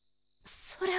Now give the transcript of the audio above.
それは。